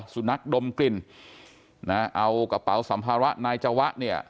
สุนัขดมกลิ่นนะเอากระเป๋าสัมภาระนายจวะเนี่ย